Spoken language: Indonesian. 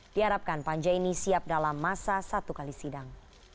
diharapkan panja ini siap dalam masa satu kali sidang